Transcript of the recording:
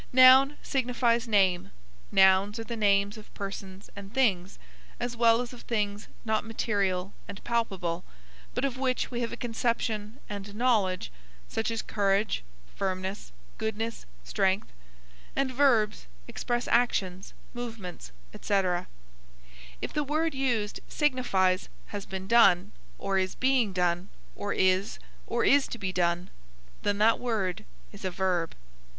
Noun signifies name; nouns are the names of persons and things, as well as of things not material and palpable, but of which we have a conception and knowledge, such as courage, firmness, goodness, strength; and verbs express actions, movements, etc. If the word used signifies has been done, or is being done, or is, or is to be done, then that word is a verb.